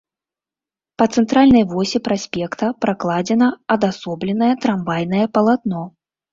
Па цэнтральнай восі праспекта пракладзена адасобленае трамвайнае палатно.